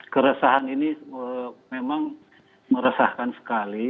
keresahan ini memang meresahkan sekali